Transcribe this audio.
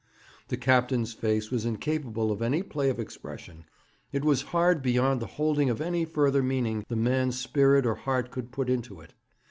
The captain's face was incapable of any play of expression. It was hard beyond the holding of any further meaning the man's spirit or heart could put into it.